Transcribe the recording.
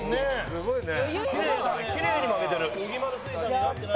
すごいな。